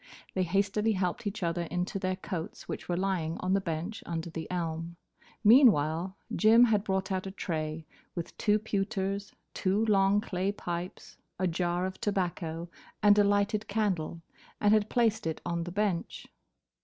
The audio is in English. They hastily helped each other into their coats, which were lying on the bench under the elm. Meanwhile, Jim had brought out a tray with two pewters, two long clay pipes, a jar of tobacco and a lighted candle, and had placed it on the bench.